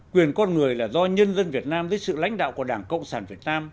quyền con người là do nhân dân việt nam dưới sự lãnh đạo của đảng cộng sản việt nam